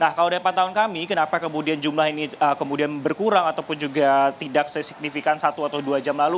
nah kalau dari pantauan kami kenapa kemudian jumlah ini kemudian berkurang ataupun juga tidak sesignifikan satu atau dua jam lalu